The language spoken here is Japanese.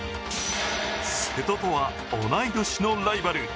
瀬戸とは同い年のライバル。